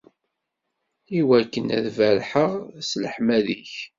Iwakken ad berrḥeɣ s leḥmadi-k.